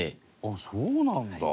伊達：そうなんだ。